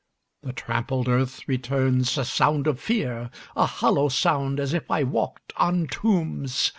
The trampled earth returns a sound of fear A hollow sound, as if I walked on tombs!